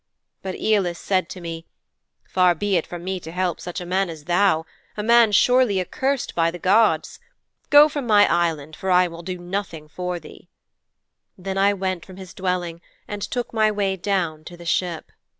"' 'But Æolus said to me, "Far be it from me to help such a man as thou a man surely accursed by the gods. Go from my Island, for nothing will I do for thee." Then I went from his dwelling and took my way down to the ship.'